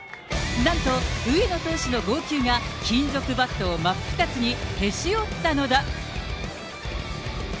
なんと上野投手の剛球が金属バットを真っ二つにへし折ったのだ。